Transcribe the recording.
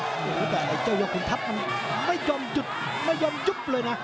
แต่ไอ้เจ้ายกขุนทัพมันไม่ยอมหยุดไม่ยอมยุบเลยนะ